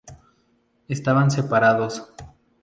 Estaban separados.